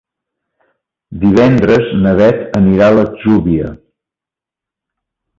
Divendres na Beth anirà a l'Atzúbia.